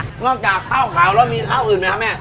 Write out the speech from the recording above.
นอกจากข้าวขาวแล้วมีเก้าอื่นมั้ยคะแม่